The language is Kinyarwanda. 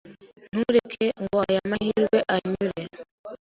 Ntureke ngo aya mahirwe anyure!